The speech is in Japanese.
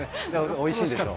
おいしいんでしょう。